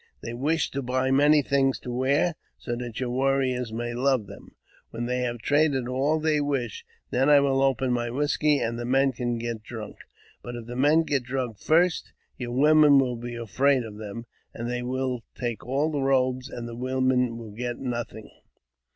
They wish to buj many fine things to wear, so that your warriors may love thei When they had traded all they wish, then I will open mj whisky, and the men can get drunk. But if the men get drui first, your women will be afraid of them, and they will tak^ all the robes, and the women will get nothing."